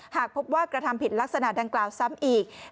หากพบว่ากระทำผิดลักษณะดังกล่าวซ้ำอีก